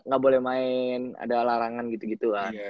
gak boleh main ada larangan gitu gitu kan